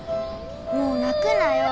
もう泣くなよ。